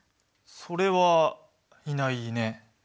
それはいないね。